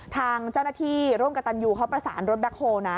ทางเจ้าหน้าที่ร่วมกับตัญญูพระศาลรถดักโฮ